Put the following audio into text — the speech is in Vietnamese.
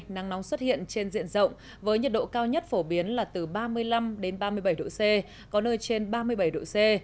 nắng nóng xuất hiện trên diện rộng với nhiệt độ cao nhất phổ biến là từ ba mươi năm ba mươi bảy độ c có nơi trên ba mươi bảy độ c